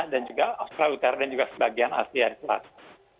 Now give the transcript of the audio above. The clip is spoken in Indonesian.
dan juga australia utara dan juga sebagian asia selatan